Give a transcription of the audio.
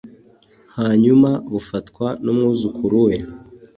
hanyuma bufatwa n’umwuzukuru we